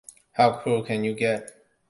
How cruel can you get?